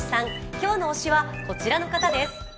今日の推しはこちらの方です。